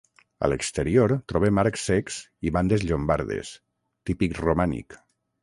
A l'exterior trobem arcs cecs i bandes llombardes, típic romànic.